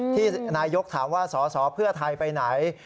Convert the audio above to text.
ที่นายกรัฐมนตรีถามว่าสอเพื่อไทยไปไหน